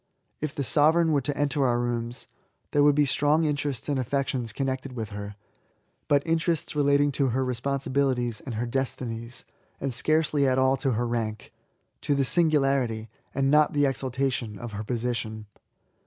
If the sovereign were to enter our rooms, there would be strong interests and affections connected with her, but interests relating to her responsi bilities and her destinies, and scarcely at all to her rank — ^to the singularity, and not the exalta tion, of her position.